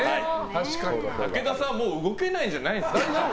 武田さんはもう動けないんじゃないですか？